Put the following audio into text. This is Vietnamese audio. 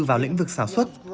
vào lĩnh vực sản xuất